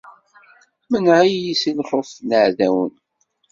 Mneɛ-iyi si lxuf n yiɛdawen!